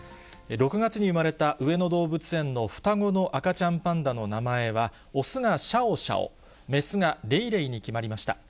６月に産まれた上野動物園の双子の赤ちゃんパンダの名前は、雄がシャオシャオ、雌がレイレイに決まりました。